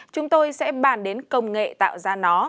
chúng tôi sẽ bàn đến công nghệ tạo ra nó